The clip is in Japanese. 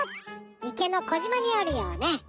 いけのこじまにあるようね。